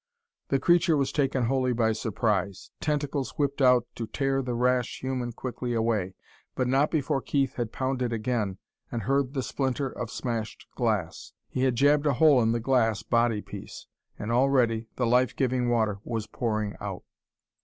The creature was taken wholly by surprise. Tentacles whipped out to tear the rash human quickly away but not before Keith had pounded again, and heard the splinter of smashed glass! He had jabbed a hole in the glass body piece, and already the life giving water was pouring out!